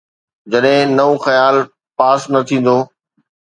جڏهن نئون خيال پاس نه ٿيندو.